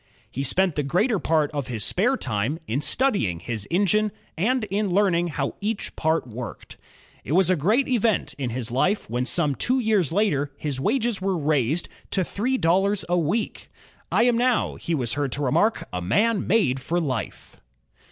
He spent the greater part of his spare time in studying his engine and in learning how each part worked. It was a great event in his Ufe when some two years later his wages were raised to three dollars a week. "I am now," he was heard to remark, "a made man for life."